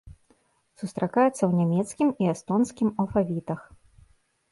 Сустракаецца ў нямецкім і эстонскім алфавітах.